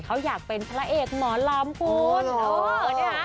เขาอยากเป็นพระเอกหมอลำคุณ